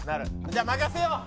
じゃあ任せよう！